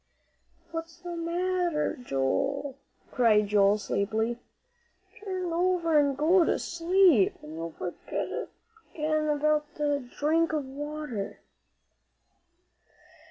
"What's the matter, Joe?" called Ben, sleepily; "turn over and go to sleep, and you'll forget again about the drink of water."